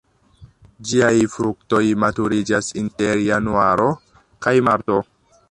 Ĝiaj fruktoj maturiĝas inter januaro kaj marto.